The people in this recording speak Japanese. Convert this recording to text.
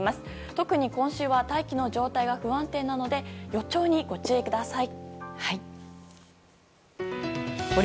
特に今週は大気の状態が不安定なので予兆にご注意ください。